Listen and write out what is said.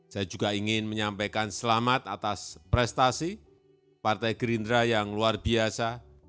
saya juga ingin menyampaikan selamat atas prestasi partai gerindra yang luar biasa